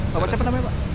bapak siapa namanya pak